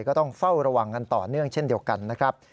ก็ต้องเฝ้าระวังกันต่อเนื่องเช่นเดียวกันนะครับ